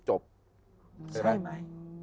ใช่ไหม